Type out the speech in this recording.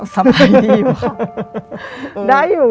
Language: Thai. สบายดีวะ